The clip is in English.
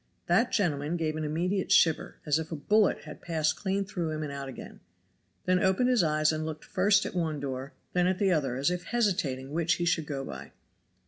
That gentleman gave an immediate shiver, as if a bullet had passed clean through him and out again, then opened his eyes and looked first at one door then at the other as if hesitating which he should go by.